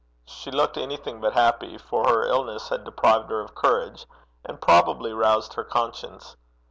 She looked anything but happy, for her illness had deprived her of courage, and probably roused her conscience.